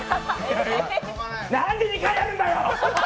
なんで２回やるんだよ！